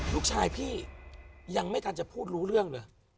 พี่ยังไม่ทันจะพูดรู้เรื่องเลย